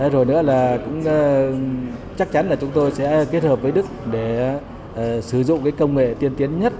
rồi nữa chắc chắn chúng tôi sẽ kết hợp với đức để sử dụng công nghệ tiên tiến nhất